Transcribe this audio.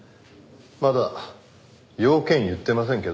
まだ用件言ってませんけど。